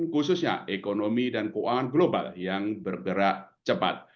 khususnya ekonomi dan keuangan global yang bergerak cepat